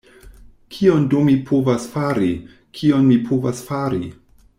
Kion do mi povas fari, kion mi povas fari?